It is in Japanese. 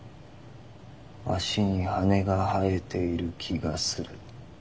足に羽が生えている気がする。